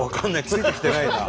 ついてきてないなあ。